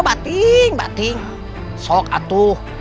memangnya teh kalian tidak kangen dengan saudara saudara kalian di rumah